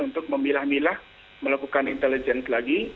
untuk memilah milah melakukan intelligence lagi